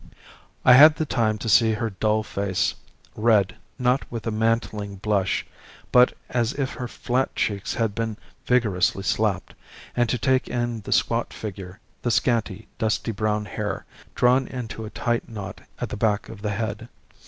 I had the time to see her dull face, red, not with a mantling blush, but as if her flat cheeks had been vigorously slapped, and to take in the squat figure, the scanty, dusty brown hair drawn into a tight knot at the back of the head.